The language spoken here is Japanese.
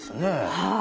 はい。